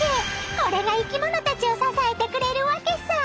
これが生きものたちを支えてくれるわけさあ。